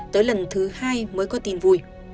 tới lần thứ hai mới có tin vui